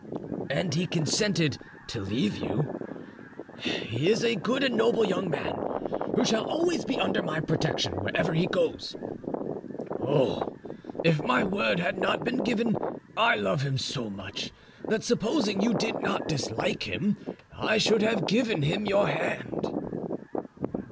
"And he consented to leave you? He is a good and noble young man, who shall always be under my protection wherever he goes. Oh, if my word had not been given, I love him so much that, supposing you did not dislike him, I should have given him your hand."